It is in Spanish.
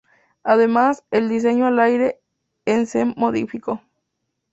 Además, el diseño al aire en se modificó.